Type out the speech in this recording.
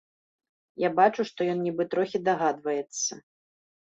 Я бачу, што ён нібы трохі дагадваецца.